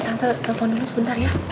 kita telepon dulu sebentar ya